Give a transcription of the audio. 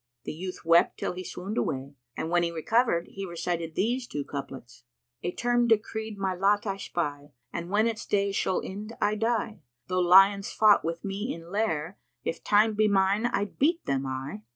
The youth wept till he swooned away, and when he recovered, he recited these two couplets, "A term decreed my lot I 'spy; * And, when its days shall end, I die. Though lions fought with me in lair * If Time be mine I'd beat them, I!"